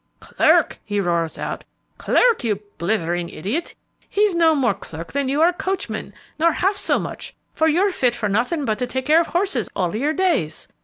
'Clerk!' he roars out, 'clerk, you blithering idiot! he's no more clerk than you are coachman, nor half so much, for you're fit for nothing but to take care of horses all your days!